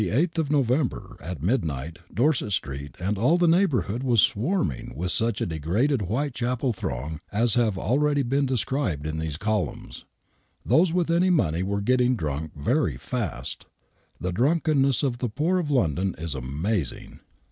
On the 8th of November^ at midnight, Dorset Street and all the neighborhood was swarming with such a degraded White chapel throng as have been already described in these columns. Those with any money were getting drunk very fast. The drunkenness of the poor of London is amazing.